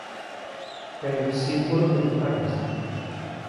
È il simbolo del paese.